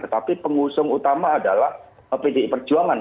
tetapi pengusung utama adalah pdi perjuangan